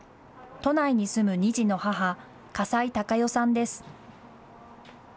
都内に住む２児の母、笠井貴代さんです。